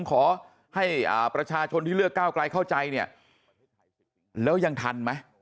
ขอให้ประชาชนที่เลือกก้าวไกลเข้าใจเนี่ยแล้วยังทันไหม